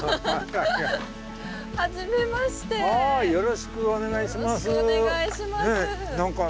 よろしくお願いします。